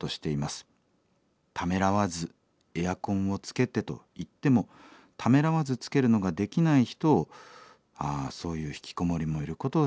ためらわずエアコンをつけてといってもためらわずつけるのができない人をそういうひきこもりもいることを知ってほしいです。